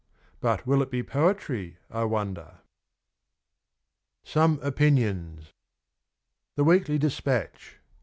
But will it be poetry I wonder ? SOME OPINIONS. THE WEEKLY DESPATCH.